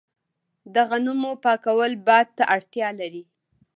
د غنمو پاکول باد ته اړتیا لري.